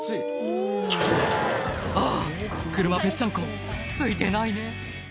あぁ車ぺっちゃんこツイてないね